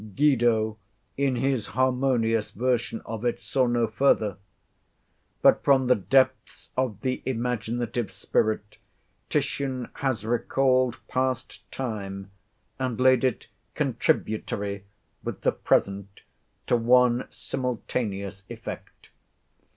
Guido, in his harmonious version of it, saw no further. But from the depths of the imaginative spirit Titian has recalled past time, and laid it contributory with the present to one simultaneous effect.